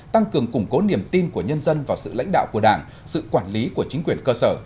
tăng cường củng cố niềm tin của nhân dân vào sự lãnh đạo của đảng sự quản lý của chính quyền cơ sở